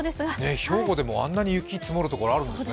兵庫でもあんなに雪積もるところがあるんだね。